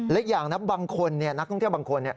อีกอย่างนักท่องเที่ยวบางคน